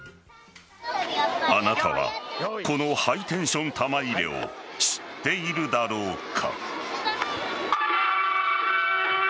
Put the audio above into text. あなたはこのハイテンション玉入れを知っているだろうか。